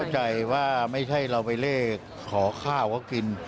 ใจว่าไม่ใช่เราไปเลขขอข้าวเขากิน